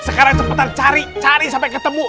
sekarang cepetan cari cari sampai ketemu